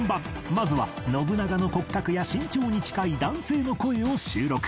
まずは信長の骨格や身長に近い男性の声を収録